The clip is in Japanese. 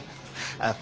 あっ。